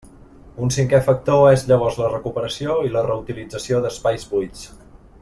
Un cinqué factor és llavors la recuperació i la reutilització d'espais buits.